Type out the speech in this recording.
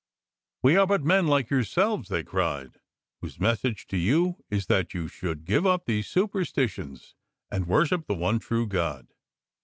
" We are but men like yourselves," they cried, " whose message to you is that you should give up these superstitions and worship the one true God."